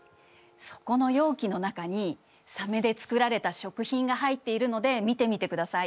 そこの容器の中にサメで作られた食品が入っているので見てみてください。